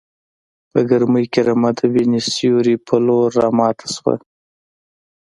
په ګرمۍ کې رمه د وینې سیوري په لور راماته شوه.